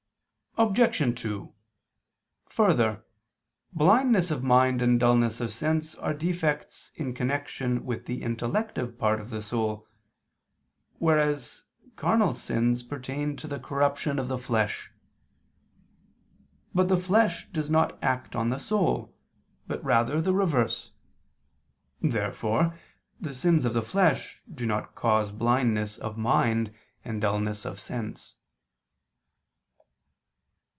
Obj. 2: Further, blindness of mind and dulness of sense are defects in connection with the intellective part of the soul: whereas carnal sins pertain to the corruption of the flesh. But the flesh does not act on the soul, but rather the reverse. Therefore the sins of the flesh do not cause blindness of mind and dulness of sense.